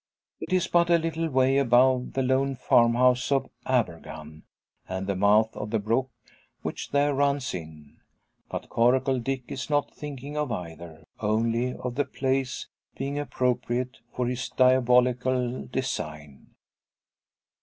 It is but a little way above the lone farm house of Abergann, and the mouth of the brook which there runs in. But Coracle Dick is not thinking of either; only of the place being appropriate for his diabolical design.